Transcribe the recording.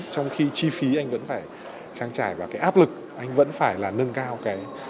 trong khi chi phí anh vẫn phải trang trải và áp lực anh vẫn phải nâng cao tỉ suất lợi nhuận